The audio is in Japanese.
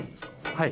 はい。